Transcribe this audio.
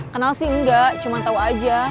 kenal sih enggak cuma tahu aja